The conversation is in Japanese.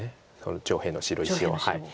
上辺の白石を。